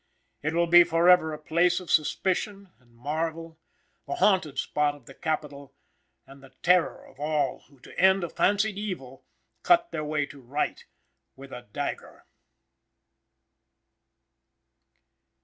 It will be forever a place of suspicion and marvel, the haunted spot of the Capitol, and the terror of all who to end a fancied evil, cut their way to right with a dagger.